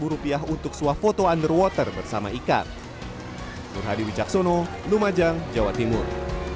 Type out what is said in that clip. rupiah untuk suah foto underwater bersama ikan nur hadi wijaksono lumajang jawa timur